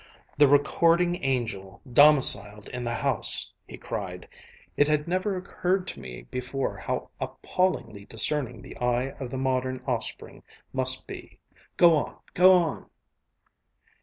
"The Recording Angel domiciled in the house!" he cried. "It had never occurred to me before how appallingly discerning the eye of the modern offspring must be. Go on, go on!"